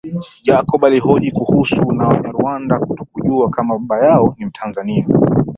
Jacob alihoji kuhusu na wanyarwanda kutokujua kama baba yao ni mtanzania